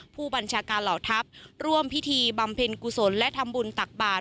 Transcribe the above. ผู้บัญชาการเหล่าทัพร่วมพิธีบำเพ็ญกุศลและทำบุญตักบาท